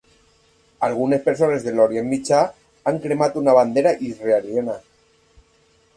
Algunes persones de l'Orient Mitjà han cremat una bandera israeliana.